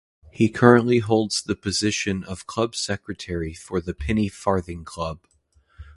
He currently holds the position of Club Secretary for the Penny Farthing Club.